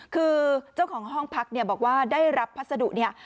คือเจ้าของห้องพักเนี่ยบอกว่าได้รับพัสดุเนี่ย